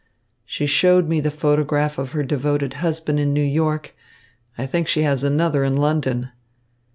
She showed me the photograph of her devoted husband in New York. I think she has another in London."